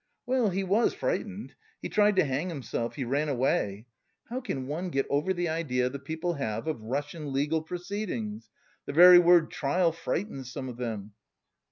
"Well, he was frightened, he tried to hang himself! He ran away! How can one get over the idea the people have of Russian legal proceedings? The very word 'trial' frightens some of them.